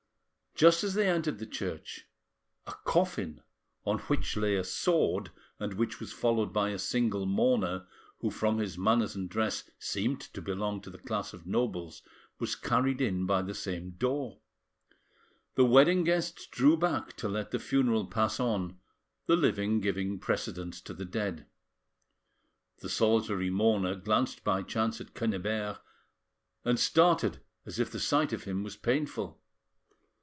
Just as they entered the church, a coffin, on which lay a sword, and which was followed by a single mourner, who from his manners and dress seemed to belong to the class of nobles, was carried in by the same door. The wedding guests drew back to let the funeral pass on, the living giving precedence to the dead. The solitary mourner glanced by chance at Quennebert, and started as if the sight of him was painful.